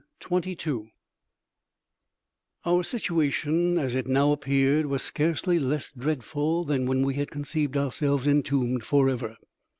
CHAPTER 22 Our situation, as it now appeared, was scarcely less dreadful than when we had conceived ourselves entombed forever.